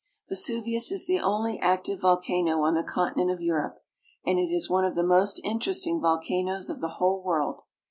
Vesuvius is the only active volcano on the continent of Europe, and it is one of the most interest ing volcanoes of the whole world.